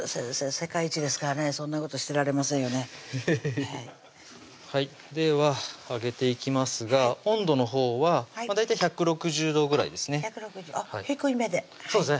世界一ですからねそんなことしてられませんよねでは揚げていきますが温度のほうは大体１６０度ぐらいですね低いめでそうですね